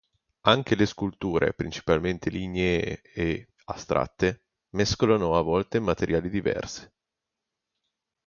Anche le sculture, principalmente lignee e astratte, mescolano a volte materiali diversi.